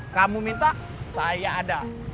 kamu minta saya ada